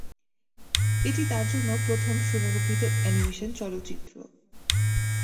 এটি জন্য তার প্রথম সুরারোপিত অ্যানিমেশন চলচ্চিত্র।